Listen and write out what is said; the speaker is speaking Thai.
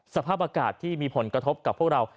สภาพอากาศที่มีผลกระทบกับพวกเรา